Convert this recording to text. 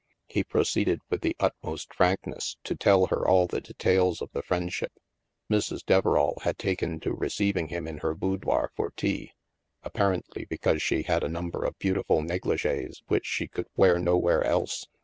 He proceeded, with the utmost frankness, to tell her all the details of the friendship. Mrs. Deverall had taken to receiving him in her boudoir for tea, apparently because she had a number of beautiful negligees which she could wear nowhere else.